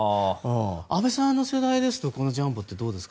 安部さんの世代ですとジャンボってどうですか。